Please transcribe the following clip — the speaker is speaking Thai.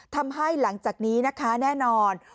ทำให้หลังจากนี้แน่นอน